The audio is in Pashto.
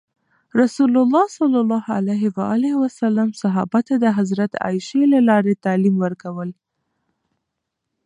رسول الله ﷺ صحابه ته د حضرت عایشې له لارې تعلیم ورکول.